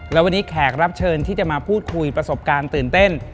และวันนี้แขกรับเชิญที่จะมาพูดคุยประสบการณ์ตื่นเต้น